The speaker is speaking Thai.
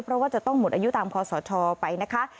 เพราะว่าจะต้องหมดอายุตามคอสชไปนะคะ